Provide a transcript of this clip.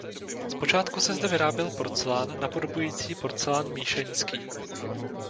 Zpočátku se zde vyráběl porcelán napodobující porcelán míšeňský.